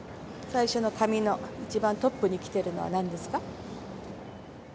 最初の紙の一番トップにきてるのはなんですか？